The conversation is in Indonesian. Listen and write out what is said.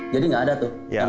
jadi nggak ada tuh